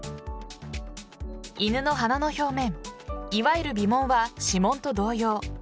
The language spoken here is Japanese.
犬の鼻の表面いわゆる鼻紋は指紋と同様。